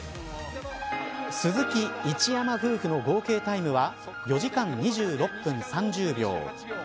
鈴木、一山夫婦の合計タイムは４時間２６分３０秒。